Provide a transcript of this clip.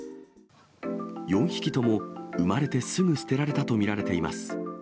４匹とも産まれてすぐ捨てられたと見られています。